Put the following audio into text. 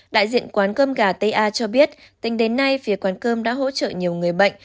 đại diện quán cơm gà ta cho biết tính đến nay phía quán cơm đã hỗ trợ nhiều người bệnh